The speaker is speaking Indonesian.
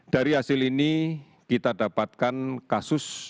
dari hasil ini kita dapatkan kasus